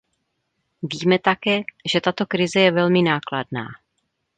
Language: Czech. Víme také, že tato krize je velmi nákladná.